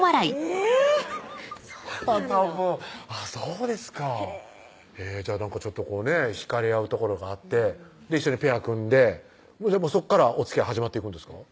はたぷあっそうですかじゃあなんかちょっとこうね引かれ合うところがあって一緒にペア組んでそっからおつきあい始まっていくんですか？